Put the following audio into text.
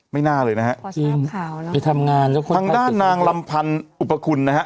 ไม่น่าเลยนะฮะพลังด้านนางรำพันธุ์อุปคุณนะฮะ